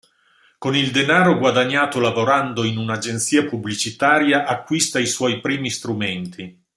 Con il denaro guadagnato lavorando in una agenzia pubblicitaria, acquista i suoi primi strumenti.